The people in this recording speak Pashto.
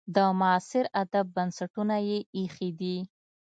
د معاصر ادب بنسټونه یې ایښي دي.